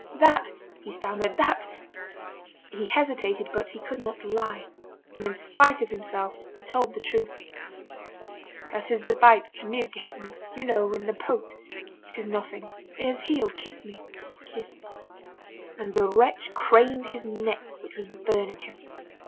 "That," he stammered, "that " He hesitated, but he could not lie, and in spite of himself, he told the truth. "That is the bite Camille gave me. You know, in the boat. It is nothing. It has healed. Kiss me, kiss me." And the wretch craned his neck which was burning him.